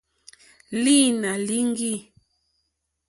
Lǐnà líŋɡî.